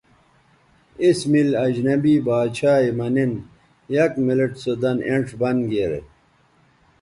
اس مِل اجنبی باڇھا یے مہ نِن یک منٹ سو دَن اینڇ بند گیرے